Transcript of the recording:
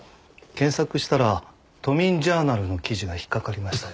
検索したら『都民ジャーナル』の記事が引っかかりましたよ。